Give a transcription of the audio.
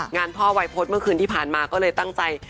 งานพ่อวัยพฤษเมื่อคืนที่ผ่านมาก็เลยตั้งใจ